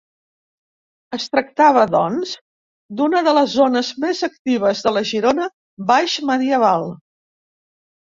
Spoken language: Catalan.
Es tractava, doncs, d'una de les zones més actives de la Girona baixmedieval.